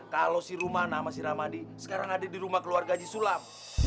kalau si rumana sama si ramadi sekarang ada di rumah keluarga si sulam